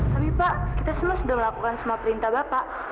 tapi pak kita semua sudah melakukan semua perintah bapak